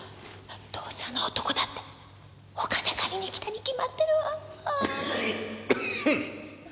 どうせあの男だってお金借りに来たにきまってるわ！